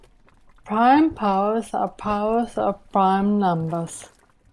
Prime powers are powers of prime numbers.